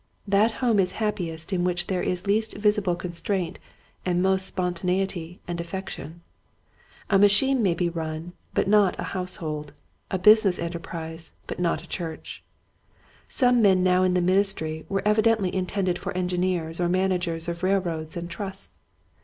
That home is happiest in which there is least visible constraint and most spontaneity and affection. A machine may be run but not a household, a busi ness enterprise but not a church. Some men now in the ministry were evidently intended for engineers or managers of railroads and trusts.